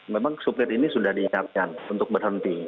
memang supir ini sudah diingatkan untuk berhenti